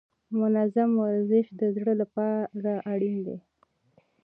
منظم ورزش د زړه لپاره اړین دی.